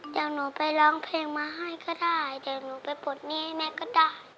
เดี๋ยวหนูไปร้องเพลงมาให้ก็ได้เดี๋ยวหนูไปปลดหนี้ให้แม่ก็ได้